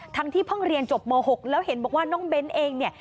ที่เพิ่งเรียนจบม๖แล้วเห็นบอกว่าน้องเบ้นเองเนี่ย